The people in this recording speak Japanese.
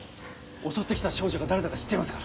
襲って来た少女が誰だか知っていますか？